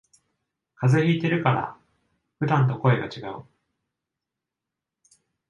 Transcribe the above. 風邪ひいてるから普段と声がちがう